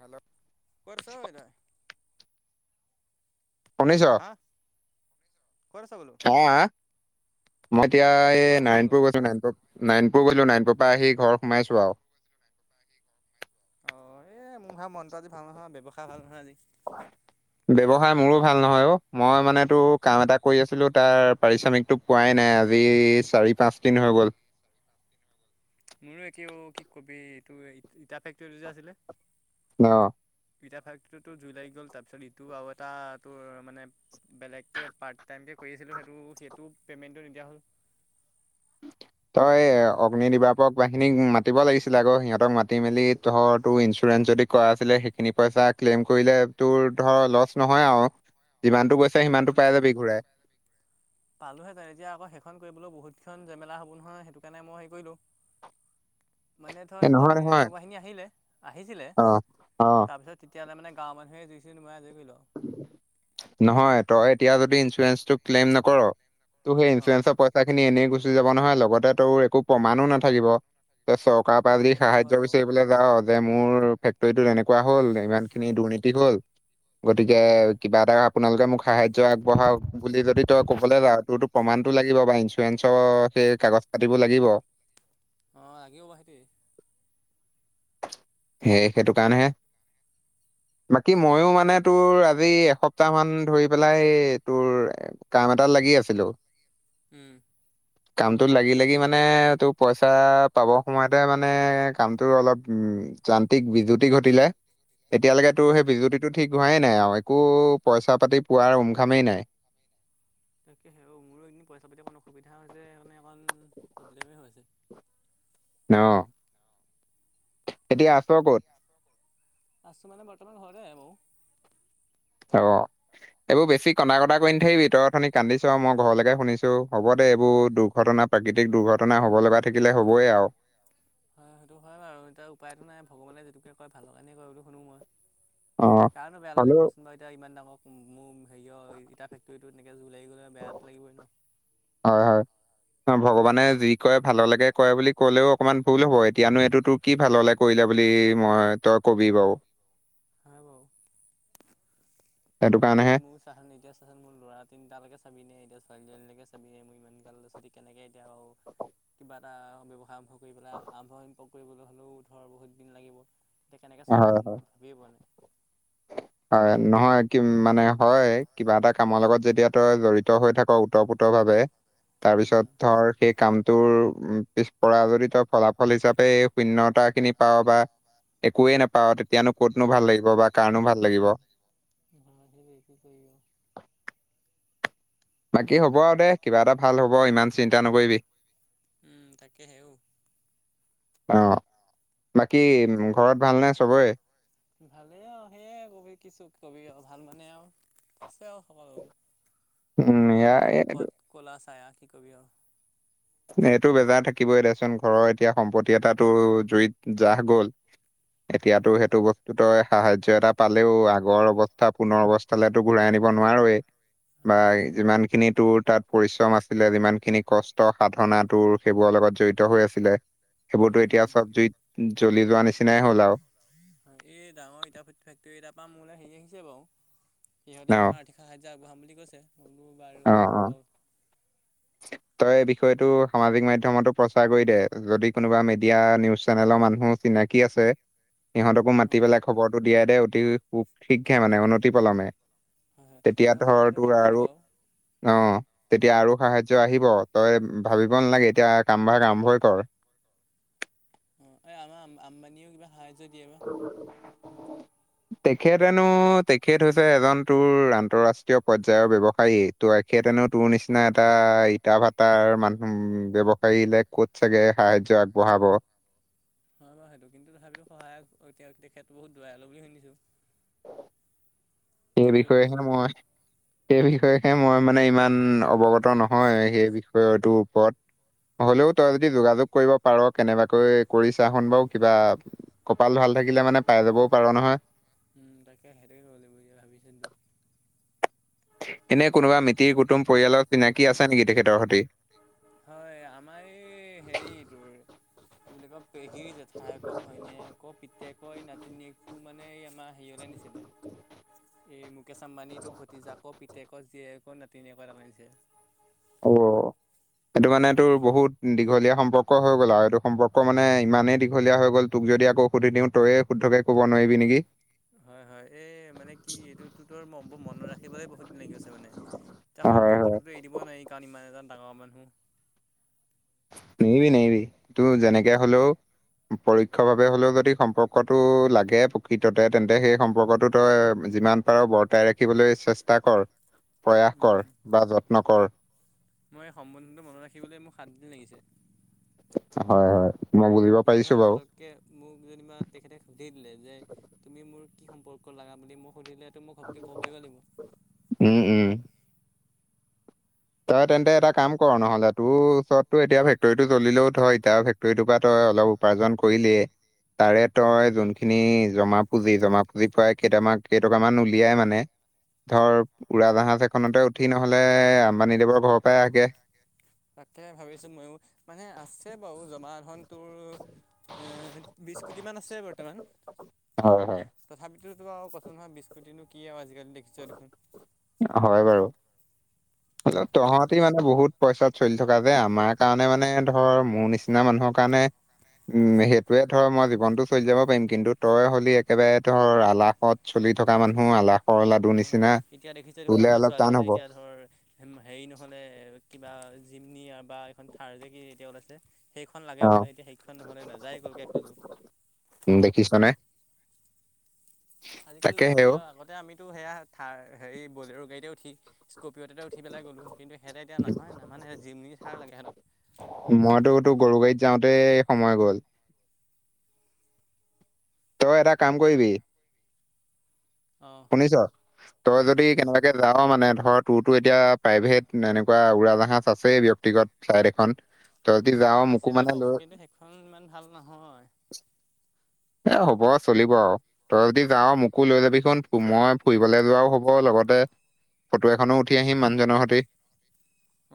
Hello, কত আছ অই তই? শুনিছ? হা ক'ত আছ বোলো? আ আ মই এতিয়া। ক'ত এই আছ বোলো? নাৰণপুৰ গৈছো নাৰায়নপুৰ নাৰায়ণপুৰ গৈছো নাৰায়ণপুৰ পৰা আহি ঘৰ সোমাইছো আৰু। অ', এ মোৰ ভাগ মনটো আজি ভাল নহয় ব্যৱসায় ভাল নহয় আজি [inaudible] ব্যৱসায় মোৰো ভাল নহয় অ মই মানে টোৰ কাম এটা কৰি আছিলো তাৰ পাৰিশ্ৰমিকতটো পোৱাই নাই আজি চাৰি পাঁচদিন হৈ গ'ল। মোৰো একে অ কি কবি এইটো ইটা ফেক্টৰী টো যে আছিলে? অঁ। ইটা ফেক্টৰীটোত জুই লাগি গ'ল তাৰপিছত ইটো আৰু এটা তোৰ মানে বেলেগকে পাৰ্ট টাইমকে কৰি আছিলো সেইটো সেইটো পেমেণ্টটো নিদিয়া হ'ল। [unintelligible] তই অগ্নি দিবাপক বাহিনীক মাতিব লাগিছিল আকৌ সিহঁতক মাতি মেলি ধৰ তোৰ ইঞ্চুৰেঞ্চ যদি কৰা আছিলে সেইখিনি পইচা ক্লেইম কৰিলে তোৰ ধৰ লচ নহয় আৰু যিমানতটো বস্ত সিমানটো পাই যাবি ঘূৰাই। পালোহে তাৰ এতিয়া আকৌ সেইখন কৰিবলৈ বহুতখন জেমেলা হব নহয় সেইটো কাৰণেই মই হেই কৰিলো। [unintelligible] মানে ধৰ এ নহয় অগ্নি নহয় বিভাগৰ বাহিনী আহিলে আহিছিলে অ অ তাৰপিছত তেতিয়ালে মানে গাঁৱ মানুহেই জুই চুই নুমাই আজৰি কৰিলোঁ আও। নহয় তই এতিয়া যদি ইঞ্চুৰেন্ঞ্চটো ক্লেইম নকৰ টোৰ সেই আৰু অ'। ইঞ্চুৰেঞ্চৰ পইচা পা খিনি এনেই গুচি যাব নহয় লগতে তোৰ একো প্ৰমাণো নাথাকিব চ কাবাৰ পৰা অ যদি সেইটো হয় সাহায্য বাৰু। বিচাৰিবলৈ যাওঁ যে মোৰ ফেক্টৰীটো এনেকুৱা এনেকোৱা হল ইমান খিনি দুৰ্নীতি হল। গতিকে উম কিবা এটা আপোনালোকে মোক সাহায্য আগবঢ়াওক। বুলি যদি তই কবলৈ যাৱ তোৰতো প্ৰমাণতটো লাগিব বা ইঞ্চুৰেঞ্চৰ সেই কাগজ পাতিব লাগিব। অঁ লাগিব ভাহিটি। সেই সেইটো কাৰণেহে, বাকী মইও মানে তোৰ আজি এসপ্তাহ মান ধৰি পেলাই তোৰ? কাম এটাত লাগি আছিলো। উম। [inaudible] কামটোত লাগি লাগি মানে তোৰ পইচা পাব সময়তে মানে কামটোৰ অলপ। উম যান্ত্ৰিক বিজুতি ঘটিলে এতিয়ালৈকে তোৰ হয়। সেই বিজুতি এইটো ঠিক হোৱা নাই আৰু একো পইচা পাতি পোৱাৰ উনঘামেই নাই। তাকে হে‌ অও মোৰো একেদিন পইচা পাতি অকমাণ অসুবিধা হৈছে সেইকাৰণে অকণ প্ৰব্লেমেই হৈছে। ন অ, এতিয়া আছ ক'ত? আছো মানে, বৰ্তমান ঘৰতে বাও। অ, এইবোৰ বেছি কন্দা‌ কটা কৰি নাথাকিবি, তই খালি কান্দি চ, মই ঘৰলৈকে শুনিছো, হ'ব দে এইবো দুৰ্ঘটনা প্ৰাকৃতিক দুৰ্ঘটনা হ'ব লগা থাকিলে হ'বই আও। অ, হয় সেইটো হয় বাৰু এতিয়া উপায়টো নাই, ভগৱানে যিটোকে কয় ভালৰ কাৰণেই কয় এই বুলি শুনো মই। অ কাৰনো বেয়া নেলাগিব হ'লেও কচোন বাৰু এতিয়া ইমান ডাঙৰ মোৰ ও হেৰিয় ইটা ফেক্টৰীটো এনেকে জুই লাগি গ'লে বেয়াটো লাগিবই ন। হয় হয়। হয়, ভগৱানে যি কৰে ভাললেকে কৰে বুলি কলেও অকনমান ভুল, হ'ব এতিয়ানো এইটো তোৰ কি ভাললে কৰিলে বুলি মই, তই কবি বাউ? হয় বাউ। সেইটো কাৰণেহে এতিয়া মোৰ চাচোন এতিয়া চাচোন মোৰ ল'ৰা তিনতালেকে চাবি নে? এতিয়া ছোৱালীজনীলেকে চাবি নে? মো ইমান গাল ল'ৰা ছোৱালী কেনেকে এতিয়া আৰু কিবা এটা ব্যৱসায় আৰম্ভ কৰি পেলাই আৰম্ভ ক কৰিবলো হ'লেও ধৰ বহুত দিন লাগিব। এতিয়া কেনেকে চলোঙ হয়, মই ভাবিয়ে পোৱা নাই। হয়, নহয় কি মানে হয়, কিবা এটা কামৰ লগত যেতিয়া তই জড়িত হৈ থাক ওতঃপ্ৰোত ভাৱে, উম। তাৰপিছত ধৰ সেই কামটোৰ পিছ পৰা জদি তই পলা ফল হিচাপে এই শূন্যতা খিনি পাওঁ বা, একোৱেই নেপাও তেতিয়ানো ক'তনো ভাল লাগিব বা কাৰণো ভাল লাগিব? হা সি বেছি কৰে অ। বাকী হ'ব আও দে কিবা এটা ভাল হ'ব, ইমান চিন্তা নকৰিবি। উম তাকেহে অও - অ, বাকী ঘৰত ভালনে চবৰে? ভালেই আউ সেইয়ে কবি কিছু কবি আউ ভাল মানে আউ। আছে আৰু সকলো উম, এয়া সকলোৱে মুখত ক'লা চাই আউ কি কবি আউ। এইটো বেজাৰ থাকিবই দেচোন ঘৰৰ এতিয়া সম্পত্তি এটা টোৰ জুইত জাহ গ'ল। এতিয়াতো সেইটো ব টো তই সাহায্য এটা পালেও আগৰ অৱস্থা পুনৰ অৱস্থালে তো ঘূৰাই আনিব নোৱাৰেই। বা নোৱাৰোৱেই। ই যিমান খিনি তোৰ তাত পৰিশ্ৰম আছিলে যিমান খিনি কষ্ট ত সাধনা টোৰ সেইবোৰৰ লগত জড়িত হৈ আছিলে, বস্তুটো সেইবোৰতো এতিয়া চব জুইত জ্বলি যোৱা নিচিনাই হ'ল আউ। এই ডাঙৰ ইটা ফেক ফেক্টৰী এটাৰ পৰা মোলে হেৰি আহিছে বাউ, ন? সিহঁতে অকণ আৰ্থিক সাহায্য আগবঢ়াম বুলি কৈছে। হব বাৰু অ', হ'ব আউ [inaudible] তই এই বিষয়টো সামাজিক মাধ্যমতো প্ৰচাৰ কৰি দে, যদি কোনোবা মিডিয়া নিউজ চেনেলৰ মানুহ চিনাকি আছে, সিহঁতকো মাতি অ'। পেলাই খবৰটো দিয়াই দে, অতি উ শীঘ্ৰে মানে অনতি পলমে। হয়, হয়, তেতিয়া, মই মানে ধৰ কথাটো তোৰ ভাবিছিলোঁ আৰু বাৰু অঁ, তেতিয়া আৰু সাহায্য আহিব। তই ভাবিব নালাগে, এতিয়া কামভাগ আৰম্ভই কৰ। অঁ এ আমা আম্বানিও কিবা সাহায্য দিয়ে বা। [unintelligible] [inaudible] তেখেতনো, তেখেত হৈছে এজন তোৰ আন্তঃ ৰাষ্ট্ৰীয় পৰ্যায়ৰ ব্যৱসায়ী। ত এখেতেনো তোৰ নিচিনা এটা ইটা ভাতাৰ মানুহ ব্যৱসায়ীলে ক'ত চাগে সাহায্য আগবঢ়াব হয় বাৰু সেইটো কিন্তু তথাপিতো সহায়ক এতিয়া তেখেত বহুত দয়ালো বুলি শুনিছো। সেই তেখেতে বিষয়েহে বহুতো মই সেই বিষয়েহে মই মানে ইমান অৱগত। ত নহয় সেই বিষয়টোৰ ওপৰত হলেও তই যদি যোগাযোগ কৰিব পাৰ কেনেবাকৈ কৰিছা হুন বাৰু কিবা কপাল ভাল থাকিলে মানে পাই যাবও পাৰ নহয়। উম তাকে সেটোকে কৰিব লাগিব এতিয়া ভাবিছিলোঁ এনে কোনোবা মিতিৰ কুটুম পৰিয়ালৰ চিনাকি আছে নেকি তেখেতৰ সতি। হয় আমাৰ এই হেৰিটোৰ পেহী জেঠাইক ভৈনীয়েকক পিতকৰ নাতিনীয়েক টোৰ মানে এই আমাৰ সেই অলে নিছিলে সেই মুকেশ আম্বানী ভতিজাক পিতেকক ক জিয়েকৰ নাতিনীয়েক অ, এইটো মানে তোৰ বহুত দীঘলীয়া সম্পৰ্ক হৈ গ'ল আৰু এইটো সম্পৰ্ক মানে ইমানেই দীঘলীয়া হৈ গ'ল। তোক যদি আকৌ সুধি দিওঁ তইয়ে শুদ্ধকে ক'ব নোৱাৰিবি নেকি? হয় হয় এই মানে কি এইটোতো তোৰ মনত ৰাখিবলৈ বহুত দিন লাগি গৈছে মানে। এতিয়া হয় হয়, সম্পৰ্কটোতো এৰি দিবই নোৱাৰি কাৰণ ইমান এজন ডাঙৰ মানুহ নেৰিবি নেৰিবি টো যেনেকে হলেও। পৰোক্ষৰ ভাবে হ'লেও যদি সম্পৰ্কটো লাগে প্ৰকৃততে তেন্তে সেই সম্পৰ্কটো তই যিমান। বৰ্তাই ৰাখিবলৈ চেষ্টা কৰ প্ৰয়াস উম কৰ বা যত্ন কৰ। মই এই সম্বন্ধটো মনত ৰাখিবলৈ মোক সাতদিন লাগিছে। হয় হয় মই বুজিব এতিয়া ধৰ পাৰিছো বাৰু পতককৈ মোক যেনিবা তেখেতে সুধি দিলে যে তুমি মোৰ কি সম্পৰ্ক লগা বুলি মোক সুধিলে উম উম, তই তেন্তে এটা কাম কৰ নহলে তোৰ ওচৰতো এতিয়া ফেক্টৰৰিটো জ্বলিলেও ধ এতিয়া তই সেইটোপা তই অলপ উপাৰ্জন কৰিলিয়েই তাৰে তই যোনখিনি জমা পুঁজি জমা পুজি পাই কেইটামান কেইটকামান উলিয়াই মানে ধৰ উৰাজাহাজ এখনতে উঠি নহলে আম্বানীদেৱৰ ঘৰৰ পৰাই আহগে তাকে ভাবিছো ময়ো মানে আছে বাৰু জমা ধনটোৰ বিস কোটিমান আছে বৰ্তমান হয় হয় তথাপিতোতো আৰু কচ নহয় বিস্কুটিনো কি আৰু আজিকালি দেখিছ দেখোন হয় বাৰু তহতি মানে বহুত পইচা চলি থকা যে আমাৰ কাৰণে মানে ধৰ মোৰ নিচিনা মানুহৰ কাৰণে উম সেইটোৱে ধৰ মই জীৱনতটো চলি যাব পাৰিম কিন্তু তই হ'লি একেবাৰে ধৰ আলাসত চলি থকা মানুহ আলাসৰ লাৰো হয় এতিয়া দেখিছ দেখোন আমাৰ ছোৱালীহঁতে হ'ব এতিয়া ধৰ হেৰি নহ'লে কিবা জিমনি বা এইখন থাৰ নে কি এতিয়া ওলাইছে সেইখন লাগে অ বোলে এতিয়া সেইখন নহ'লে নাযায় ক'লকৈ এখোজোঁ উম দেখিছ নে আজিকালি তাকে ল'ৰা ছোৱালী সেও আগতে আমিতো সেয়া হেৰি বলেৰ গাড়ীতে উঠি স্কপিঅতে উঠি পেলাই গলোঁ কিন্তু সিহঁতে এতিয়া নহয় নানে জিমনি থাৰ লাগে সিহঁতক মইতো তো গৰু গাড়ীত যাওঁতে সময় গ'ল তই এটা কাম কৰিবি অঁ শুনিছ তই শুনিছোঁ যদি শুনিছোঁ ক। কেনেবাকে যাওঁ অ মানে ধৰ টোৰটো এতিয়া প্ৰাইভেট এনেকুৱা উৰাজাহাজ আছেই ব্যক্তিগত ফ্লাইট এখন তহঁতি যাৱ মোকো মানে লৈ খন ইমান ভাল নহয়। এ হ'ব‌ চলিব আৰু। তই যদি যাৱ মোকো লৈ যাবিচোন, মই ফুৰিবলে যোৱাও হ'ব লগতে ফটো এখনো উঠি আহিম মানুহজনৰ সৈতে।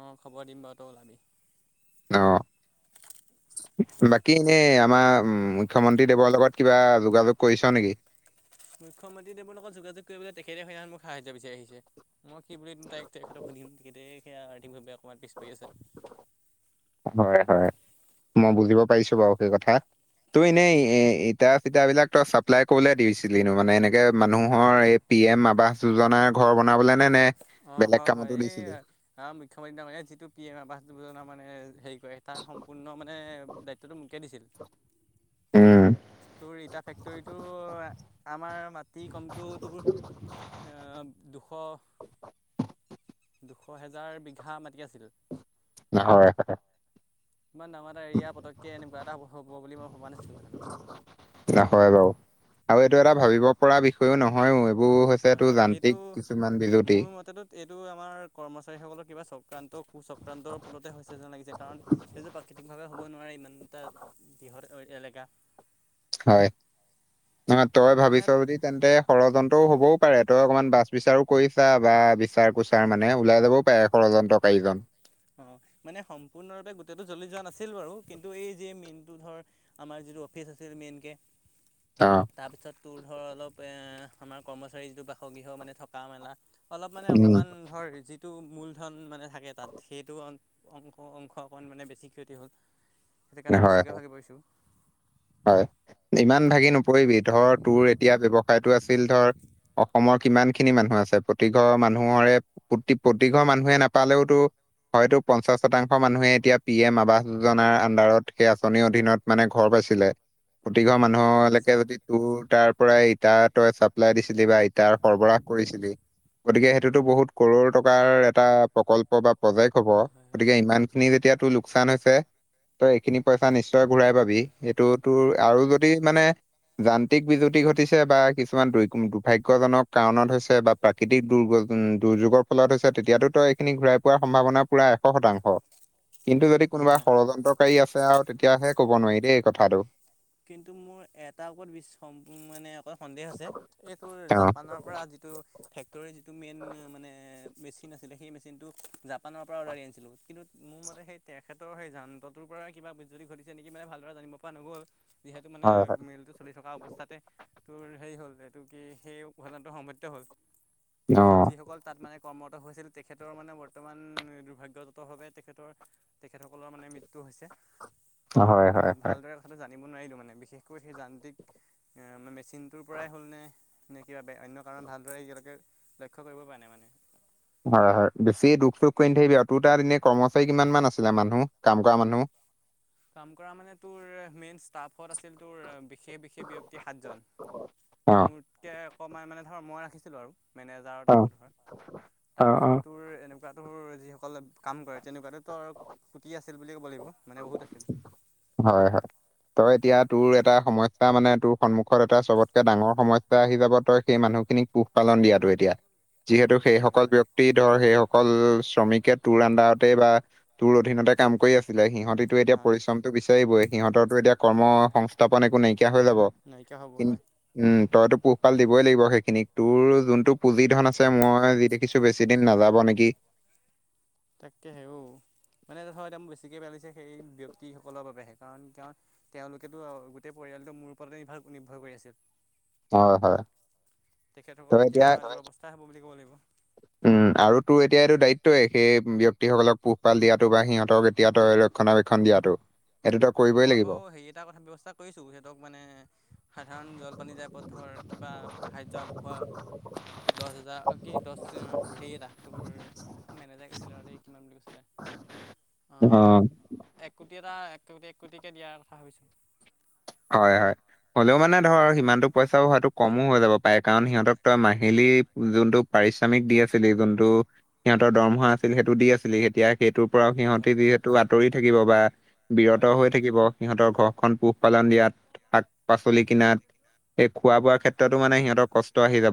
অ', খবৰ দিম বাৰু, তই ওলাবি। অ', বাকী এনেই আমাৰ মুখ্যমন্ত্ৰ [unintelligible] দেৱৰ লগত কিবা যোগাযোগ কৰিছ নেকি? মুখ্যমন্ত্ৰীদেৱৰ লগত যোগাযোগ কৰিবলৈ, তেখেতে [unintelligible] মোক সাহায্য বিচাৰি আহিছে। মই কি বুলিম তাইক তেখেতক সুধিম তেখেতে, সেই আৰ্থিকভাৱে অকমান পিছ পৰি আছে। হয়, হয় মই বুজিব পাৰিছো বাৰু সেই কথা। তই এনেই এ ইটা-চিতা বিলাক তই চাপ্লাই কৰিবলে দিছিলি, নো মানে এনেকে মানুহৰ এই পি এম আৱাস যোজনাৰ ঘৰ বনাবলে [unintelligible] অ', বেলেগ হয়, হয়। কামতো এই দিছিলি? মুখ্যমন্ত্ৰীয়ে, যিটো পি এম আৱাস যোজনা মানে হে তাৰ সম্পূৰ্ণ মানে দায়িত্বটো মোকে দিছিল। উম। তোৰ ইতা ফেক্টৰীটো, আমাৰ মাটি কমকেও তোৰ এই দুশ দুশ হেজাৰ বিঘা মাটি আছিল। হয়, হয়। ইমান দামৰ এটা এৰিয়া, পতককে এনেকুৱা এটা হ'ব বুলি মই ভবা নাছিলো কথাটো। [unintelligible] বাৰু, আৰু এইটো এটা ভাবিব পৰা বিষ [unintelligible] নহয়ও, এইবোৰ হৈছে হয় তোৰ হয় এইটো যান্ত্ৰিক কিছুমান বিজুতি। মোৰ মতেতো এইটো আমাৰ কৰ্মচাৰীসকলৰ কিবা চ আক্ৰান্ত কোঅক্ৰান্তৰ ফলতে হৈছে যেন লাগিছে, কাৰণ সেই যে প্ৰাকৃতিক ভাৱে হ'ব নোৱাৰে, ইমান এটা বৃহৎ এ-এলেকা। হয়, ন' তই মানে ভাবিছ য তেন্তে ষড়যন্ত্ৰও হ'বও পাৰে, তই অকনমান বাছ বিচাৰো কৰি ছা বা বিচাৰ কুচাৰ মানে ওলাই যাবও পাৰে। ষড়যন্ত্ৰ কাৰীজন। অ', মানে সম্পূৰ্ণৰূপে গোটেটো জ্বলি যোৱা নাছিল বাৰু, কিন্তু এই যে মেইনটো ধৰ আমাৰ যিটো অফিচ আছিল মেইনকে? অ'। তাৰপিছত তোৰ ধৰ, অলপ এ আমাৰ কৰ্মচাৰী যিটো বাসগৃহ মানে থকা মেলা অলপ মানে, উম, অকণমান ধৰ যিটো মূলধন মানে থাকে তাত। সেইটো অ-অংশ [unintelligible] অকণ মানে বেছি ক্ষতি হ'ল। সেইটো কাৰণে হয়। বেছিকৈ ভাগি পৰিছোঁ। হয়, ইমান ভাগি নপৰিবি। ধৰ, তোৰ এতিয়া ব্যৱসায়টো আছিল ধৰ অসমৰ কিমান খিনি মানুহ আছে, প্ৰতিঘৰ মানুহৰে প্ৰতি-প্ৰতিঘৰ মানুহে নাপালেওতো হয়তো পঞ্চাশ শতাংশ মানুহে এতিয়া পি এম আৱাস যোজনাৰ আন্দাৰত সেই আঁচনিৰ অধীনত মানে ঘৰ পাইছিলে। প্ৰতিঘৰ হয় হয় হয় হয় পাইছে মানুহলৈকে বাৰু যদি তোৰ তাৰ পৰাই ইটা তই ছাপ্লাই দিছিলি বা ইটাৰ সৰবৰাহ কৰিছিলি। গতিকে সেইটোতো বহুত কৰোৰ টকাৰ এটা প্ৰকল্প বা প্ৰজেক্ট হ'ব, হয় হয় গতিকে ইমান খিনি যেতিয়া তোৰ লোকচান হৈছে, তইএইখিনি পইচা নিশ্চয় ঘূৰাই পাবি। তোৰটো উম আৰুজোত। [unintelligible] মানে যান্ত্ৰিক বিজুতি ঘটিছে বা, কিছুমান দু দুৰ্ভাগ্যজনক কাৰণত। হৈছে বা, প্ৰাকৃতিক দুৰ্যোগৰ ফলত হৈছে তেতিয়াতো তো এইখিনি ঘূৰাই পোৱাৰ সম্ভাৱনা। পুৰা এশ শতাংশ। কিন্তু যদি হয় কোনোবা হয়। ষড়যন্ত্ৰকাৰী আছে আৰু তেতিয়াহে ক'ব নোৱাৰি দেই। কথাটো। কিন্তু মোৰ এটা ওপৰত বিশ মানে এটা সন্দেহ আছে। এইটোৰ অ জাপানৰ পৰা যিটো। ফেক্টৰীৰ যিটো মেইন মানে মেচিন আছিলে, সেই মেচিনটো জাপানৰ পৰা অৰ্ডাৰ আনিছিলোঁ কিন্তু। মোৰ মতে সেই তেখেতৰ সেই যান্ৰটোৰ পৰাই কিবা বু্যদি ঘটিছে নেকি মানে ভালদৰে জানিব পৰা নগ'ল। যিহেতু মানে হয় হয় মল। চলি থকা অৱস্থাতে তোৰ হেৰি হ'ল এইটো কি সেই ঘটনাটো সংঘটিত হ'ল। অ তাৰপিছত যিসকল তাত মানে। কৰ্মৰত হৈছিল, তেখেতৰ মানে বৰ্তমান দুৰ্ভাগয়জত ভাৱে তেখেতৰ। তেখেতসকলৰ মানে মৃত্যু হৈছে। হয় হয় হয় ভালদৰে কথাটো জানিব নোৱাৰিলো মানে বিশেষকৈ সেই যান্ত্ৰিক মে। চিনটোৰ পৰাই হ'লনে, নে কিবা বেয়া অন্য কাৰণত ভালদৰে এতিয়া লৈকে লক্ষ্য কৰিব পৰা নাই মানে। হয় হয়। বেছি দুখ চোখ কৰি নিথাকিবি আৰু তোৰ তাত এনেই কৰ্মচাৰী কিমান মান আছিলে মানুহ কাম কৰা মানুহ? কাম কৰা মানে তোৰ মেইন ষ্টাফত আছিল তোৰ। সেই বিশেষ ব্যক্তি সাতজন, অ মোতকৈ অকণমান মানে ধৰ মই ৰাখিছিলোঁ আৰু। মেনেজাৰৰ অ টাইপত হয়। অ অ তাৰপিছত তোৰ এনেকুৱাতোৰ যিসকল কাম কৰে তেনেকুৱাতো। ত' কুটি আছিল বুলি ক'ব লাগিব মানে বহুত আছিল। হয় হয়। তই এতিয়া তোৰ এটা সমস্যা মানে তোৰ সন্মুখত এটা চবতকে ডাঙৰ সমস্যা আহি যাব তই সেই মানুহখিনিক। পোহপালন দিয়াতটো এতিয়া, যিহেতু অঁ হয় হয় সেইসকল হয় ব্যক্তিক। ধৰ সেই সকল শ্ৰমিকে তোৰ আডাৰতেই বা, তোৰ অধীনতে কাম কৰি আছে। আছিলে সিহঁতিতটো এতিয়া হয় পৰিশ্ৰমটো বিচাৰিবই। সিহঁতৰো এতিয়া কৰ্ম সংস্থাপন একো নাইকিয়া হৈ যাব। নাইকিয়া হ'ব কিন- হয়। উম তইতো পোহপাল দিবই লাগিব সেইখিনিক তোৰ যোনটো পুঁজি ধন আছে মই যি দেখিছো। বেছি দিন নাযাব নেকি। তাকেহে অও, মানে তথ এতিয়া মোৰ বেছিকে বেয়া লাগছে সেই ব্যক্তিসকলৰ বাবেহে কাৰণ ক। তেওঁলোকেতো গোটেই পৰিয়ালটো মোৰ ওপৰতে নিৰ্ভৰ- নিৰ্ভৰ কৰি আছিল। হয় হয় তেখেতসকলৰ এতিয়া অৱস্থা হব বুলি ক'ব লাগিব। উম আৰু তোৰ এতিয়া এইটো দায়িত্বই সেই ব্যয়ক্তিসকলক পোহপাল দিয়াতো বা সিহঁতক এতিয়া। ৰক্ষণাবেক্ষণ দিয়াটো। এইটো তই উম, কৰিবই মই লাগিব। বাৰু হেৰি এটা কথা ব্যৱস্থা কৰিছো সিহঁতক মানে। সাধাৰণ জলপানী যায়প ধৰ কিবা সাহাৰ্য আগবঢ়োৱা। দহ হাজাৰ কি দহ হেৰি এটা তোৰ। মেনেজাই কৈছিলে আৰু দেই কিমান বুলি কৈছিলে। অঁ। এক কোটি এটা এক কোটি এক কোটিকৈ দিয়াৰ কথা ভাবিছোঁ।। হয়, হয়। হ'লেও মানে ধৰ সিমানতো পইচাও হোৱাাতটো কমো হৈ যাব পাৰে কাৰণ সিহঁতক তই মাহিলী যোনটো পাৰিশ্ৰমিক দি আছিলি যোনটো সিহঁতৰ দৰমহা আছিল সেইটো দি আছিলি এতিয়া সেইটোৰ পৰাও হয় সিহঁতে হয় যিহেতু আঁতৰি থাকিব বা বিৰত হয় হৈ থাকিব সিহঁতৰ ঘৰখন পুহ পালন দিয়াত শাক হয় পাচলি কিনাত এই খোৱা বোৱাৰ ক্ষেত্ৰতো মানে সিহঁতৰ কষ্ট আহি যাব।